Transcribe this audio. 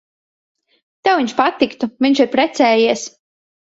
Tev viņš patiktu. Viņš ir precējies.